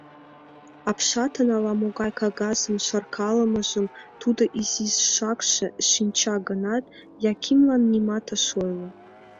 Апшатын ала-могай кагазым шаркалымыжым тудо изишакше шинча гынат, Якимлан нимат ыш ойло.